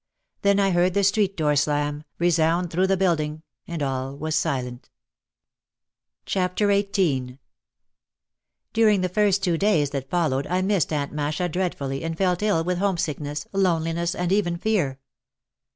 Then I heard the street door slam, resound through the building, and all was silent. 76 OUT OF THE SHADOW XVIII During the first two days that followed I missed Aunt Masha dreadfully and felt ill with homesickness, lone liness and even fear.